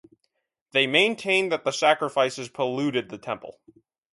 They maintained that the sacrifices "polluted" the Temple.